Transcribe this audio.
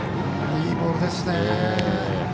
いいボールですね。